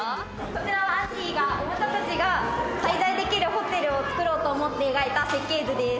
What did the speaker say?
こちらはアンディがおもちゃたちが滞在できるホテルを造ろうと思って描いた設計図です。